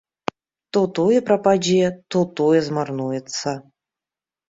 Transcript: То тое прападзе, то тое змарнуецца.